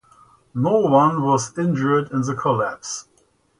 No one was injured in the collapse.